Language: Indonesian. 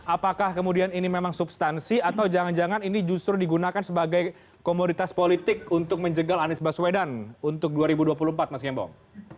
apakah kemudian ini memang substansi atau jangan jangan ini justru digunakan sebagai komoditas politik untuk menjegal anies baswedan untuk dua ribu dua puluh empat mas gembong